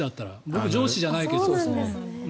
僕、上司じゃないけど。